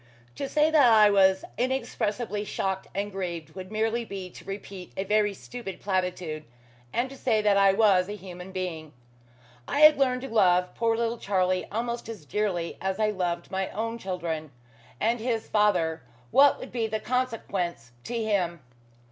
To say that I was inexpressibly shocked and grieved would merely be to repeat a very stupid platitude, and to say that I was a human being. I had learned to love poor little Charlie almost as dearly as I loved my own children. And his father what would be the consequence to him?